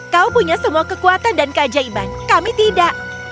kau punya semua kekuatan dan keajaiban kami tidak